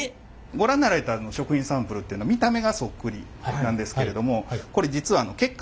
ご覧になられた食品サンプルっていうのは見た目がそっくりなんですけれどもこれ実はへえ！